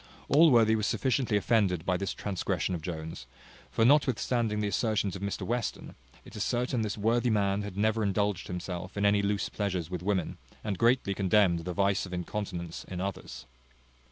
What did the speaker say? Allworthy was sufficiently offended by this transgression of Jones; for notwithstanding the assertions of Mr Western, it is certain this worthy man had never indulged himself in any loose pleasures with women, and greatly condemned the vice of incontinence in others.